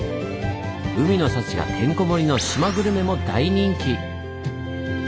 海の幸がてんこ盛りの島グルメも大人気！